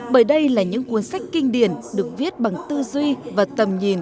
bởi đây là những cuốn sách kinh điển được viết bằng tư duy và tầm nhìn